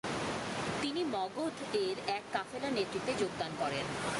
তিনি মগধ এর এক কাফেলার নেতৃত্বে যোগদান করেন।